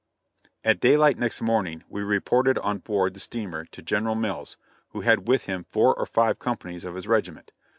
At daylight next morning we reported on board the steamer to General Mills, who had with him four or five companies of his regiment.